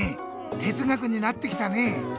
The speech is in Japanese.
てつ学になってきたね。